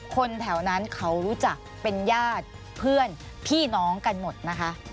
คนแถวนั้นเขารู้จักเป็นญาติเพื่อนพี่น้องกันหมดนะคะ